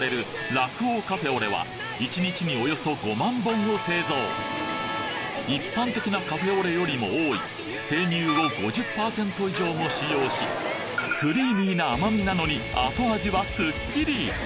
乳業さんで一般的なカフェオレよりも多い生乳を５０％以上も使用しクリーミーな甘みなのに後味はすっきり！